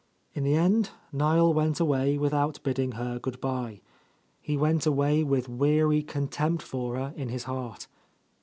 In the end, Niel went away without bidding her good bye. He went away with weary contempt for her in his heart.